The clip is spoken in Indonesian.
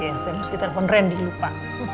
iya saya harus di telpon randy lupa